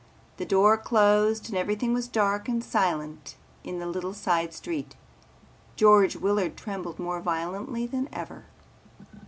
The door closed and everything was dark and silent in the little side street. George Willard trembled more violently than ever.